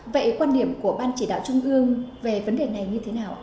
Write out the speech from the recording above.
vậy quan điểm của ban chỉ đạo trung ương về vấn đề này như thế nào